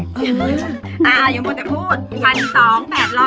เอออย่าบอกจะพูด